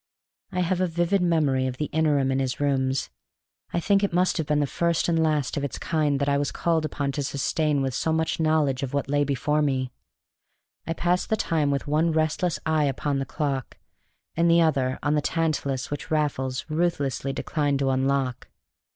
I have a vivid memory of the interim in his rooms. I think it must have been the first and last of its kind that I was called upon to sustain with so much knowledge of what lay before me. I passed the time with one restless eye upon the clock, and the other on the Tantalus which Raffles ruthlessly declined to unlock.